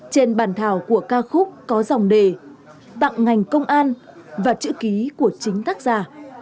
trên bàn thảo của ca khúc có dòng đề tặng ngành công an và chữ ký của chính tác giả